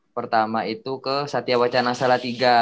pertama itu ke satya wacana salatiga